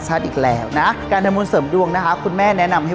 อีกแล้วนะการทำบุญเสริมดวงนะคะคุณแม่แนะนำให้